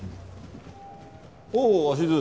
おぉ鷲津。